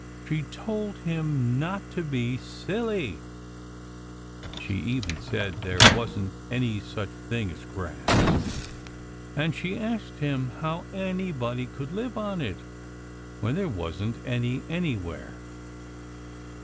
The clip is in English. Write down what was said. She told him not to be silly. She even said that there wasn't any such thing as grass. And she asked him how anybody could live on it when there wasn't any anywhere.